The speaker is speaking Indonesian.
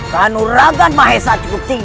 kau harus berikan dagangan